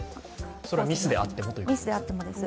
それはミスであってもです。